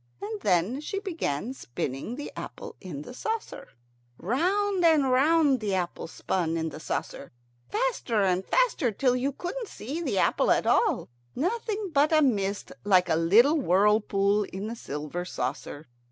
And then she began spinning the apple in the saucer. Round and round the apple spun in the saucer, faster and faster, till you couldn't see the apple at all, nothing but a mist like a little whirlpool in the silver saucer.